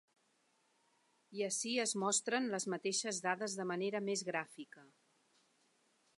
I ací es mostren les mateixes dades de manera més gràfica.